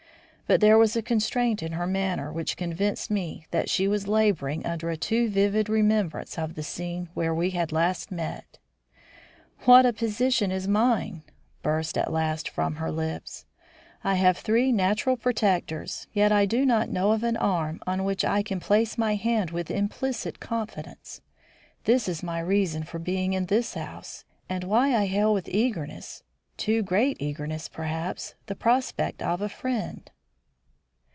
But there was a constraint in her manner which convinced me that she was labouring under a too vivid remembrance of the scene where we had last met. "What a position is mine!" burst at last from her lips. "I have three natural protectors, yet I do not know of an arm on which I can place my hand with implicit confidence. This is my reason for being in this house; and why I hail with eagerness, too great eagerness, perhaps, the prospect of a friend."